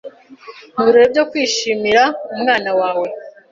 mu birori byo kwishimira umwana wawe